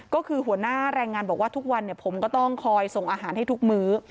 ก็คือหัวหน้าแรงงานบอกว่าทุกวันผมก็ต้องคอยส่งอาหารให้ทุกมื้อ